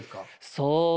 そう。